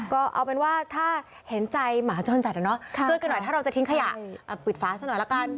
ก็เอาเป็นว่าถ้าเห็นใจหมาจรจัดช่วยกันหน่อยถ้าเราจะทิ้งขยะปิดฝาซะหน่อยละกัน